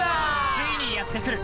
ついにやって来る！